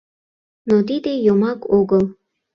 — Но тиде йомак огыл!